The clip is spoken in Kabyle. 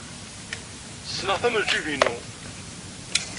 Ssneɣ-t am ljib-inu.